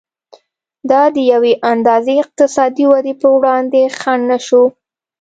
دا د یوې اندازې اقتصادي ودې پر وړاندې خنډ نه شو.